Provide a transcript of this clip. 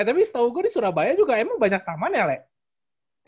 eh tapi setau gue di surabaya juga emang banyak taman ya lea